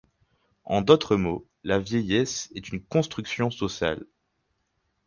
En d'autres mots, la vieillesse est une construction sociale.